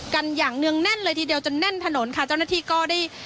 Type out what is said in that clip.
กันอย่างเนื่องแน่นเลยทีเดียวจนแน่นถนนค่ะเจ้าหน้าที่ก็ได้